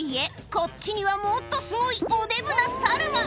こっちにはもっとすごいおデブなサルが！